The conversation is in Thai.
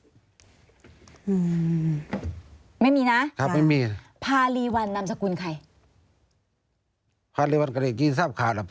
อืมไม่มีนะครับไม่มีพารีวันนามสกุลใครพารีวันก็ได้กินทราบข่าวล่ะ